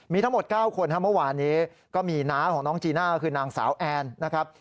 มีทั้งหมด๙คนครับเมื่อวานนี้ก็มีน้าของน้องจีน่าคือนางสาวแอนนะครับ